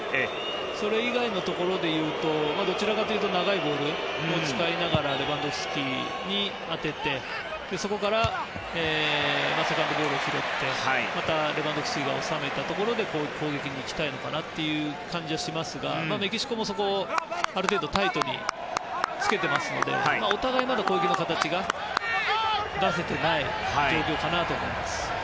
それ以外のところでいうとどちらかというと長いボールを使いながらレバンドフスキに当ててそこからセカンドボールを拾ってまたレバンドフスキが収めたところで攻撃にいきたいのかなという感じがしますがメキシコも、そこをある程度タイトにつけているのでお互いまだ攻撃の形が出せていない状況だと思います。